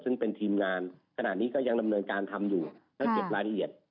ซึ่งเป็นทีมงานขณะนี้ก็ยังดำเนินการทำอยู่และเก็บรายละเอียด